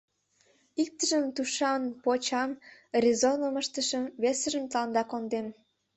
Иктыжым тушан почам, резоным ыштышым, весыжым тыланда кондем.